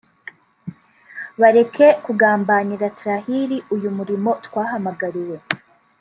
bareke kugambanira (Trahir) uyu murimo twahamagariwe